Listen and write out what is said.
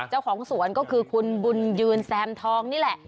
เจ้าของสวนก็คือคุณบุญยืนแซมทองนี่แหละ